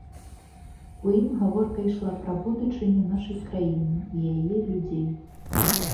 У ім гаворка ішла пра будучыню нашай краіны і яе людзей.